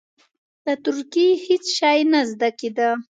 د تورکي هېڅ شى نه زده کېده.